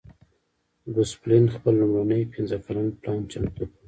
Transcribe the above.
ګوسپلن خپل لومړنی پنځه کلن پلان چمتو کړ